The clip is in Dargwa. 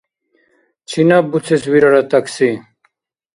Чинаб буцес вирара такси?